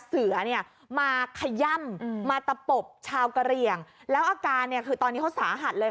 เสือเนี่ยมาขย่ำมาตะปบชาวกะเหลี่ยงแล้วอาการเนี่ยคือตอนนี้เขาสาหัสเลย